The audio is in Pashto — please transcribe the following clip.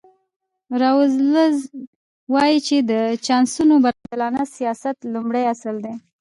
راولز وایي چې د چانسونو برابرول د یو عادلانه سیاست لومړی اصل دی.